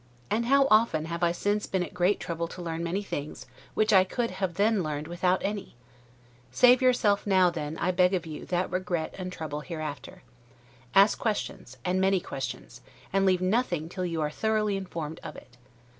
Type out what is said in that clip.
And how often have I since been at great trouble to learn many things which I could then have learned without any! Save yourself now, then, I beg of you, that regret and trouble hereafter. Ask questions, and many questions; and leave nothing till you are thoroughly informed of it.